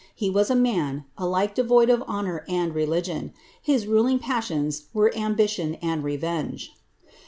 > He was a man, alike devoid of honour and religion ; his ruling passioM i were ambition and revenge.